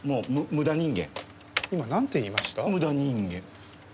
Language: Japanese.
無駄人間。